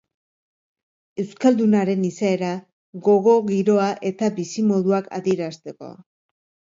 Euskaldunaren izaera, gogo giroa eta bizimoduak adierazteko.